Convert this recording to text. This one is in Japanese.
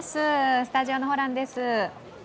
スタジオのホランです。